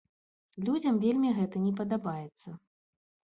Людзям вельмі гэта не падабаецца.